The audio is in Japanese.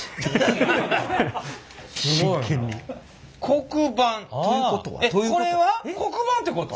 黒板えっこれは黒板ってこと？